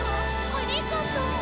ありがとう。